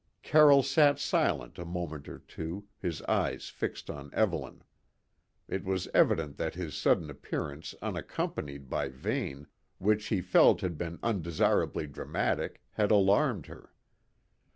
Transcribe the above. Carroll sat silent a moment or two, his eyes fixed on Evelyn. It was evident that his sudden appearance unaccompanied by Vane, which he felt had been undesirably dramatic, had alarmed her.